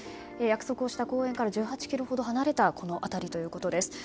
約束をした公園から１８ｋｍほど離れたこの辺りということです。